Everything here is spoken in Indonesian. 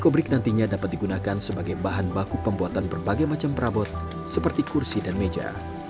kobrik nantinya dapat digunakan sebagai bahan baku pembuatan berbagai macam perabot seperti kursi dan meja